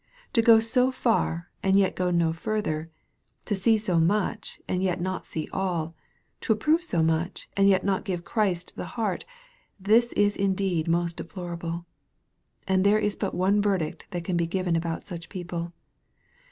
To go so far and yet go no further to see so much and yet not see all to approve so much and yet not give Christ the heart, this is indeed most deplorable ! And there is but one verdict that can be given about such people.